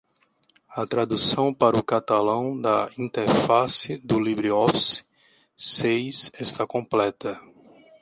A tradução para o catalão da interface do LibreOffice seis está completa.